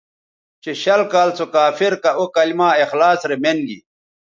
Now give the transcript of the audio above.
چہ شل کال سو کافر کہ او کلما اخلاص رے مین گی